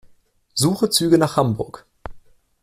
Suche Züge nach Hamburg.